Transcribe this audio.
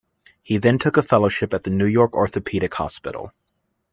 He then took a fellowship at the New York Orthopedic Hospital.